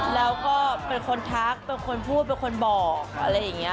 แล้วก็เป็นคนทักเป็นคนพูดเป็นคนบอกอะไรอย่างนี้